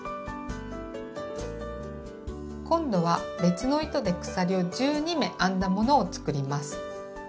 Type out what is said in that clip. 今度は別の糸で鎖を１２目編んだものを作ります。